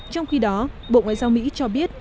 trong khi đó bộ ngoại giao mỹ cho biết